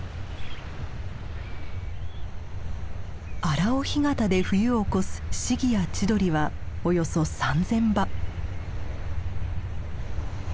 荒尾干潟で冬を越すシギやチドリはおよそ３，０００羽。